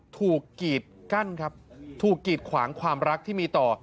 กีดกั้นครับถูกกีดขวางความรักที่มีต่อ